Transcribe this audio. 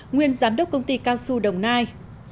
nguyên giám đốc công ty cao xu đồng nai